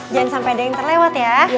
jangan sampai ada yang terlewat ya